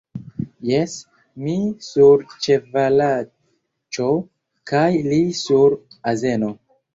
Jes; mi sur ĉevalaĉo kaj li sur azeno.